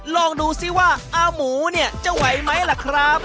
ลองดูสิว่าอาหมูจะมีว่าไหมล่ะครับ